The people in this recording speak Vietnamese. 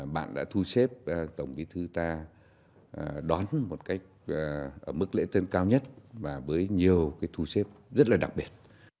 bạn đã thu xếp tổng bí thư ta đón một cách ở mức lễ tân cao nhất và với nhiều thu xếp rất là đặc biệt